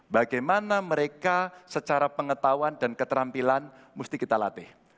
bagaimana mereka secara pengetahuan dan keterampilan mesti kita latih